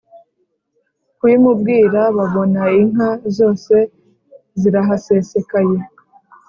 kubimubwira babona inka zose zirahasesekaye.